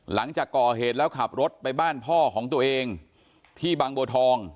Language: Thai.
หลังจากก่อเหตุแล้วขับรถไปบ้านพ่อของตัวเองที่บางบัวทอง